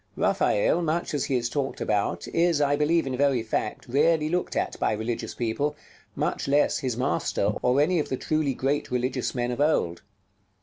Raphael, much as he is talked about, is, I believe in very fact, rarely looked at by religious people; much less his master, or any of the truly great religious men of old.